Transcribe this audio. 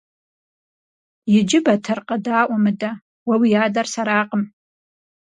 Иджы, Батыр, къэдаӀуэ мыдэ: уэ уи адэр сэракъым.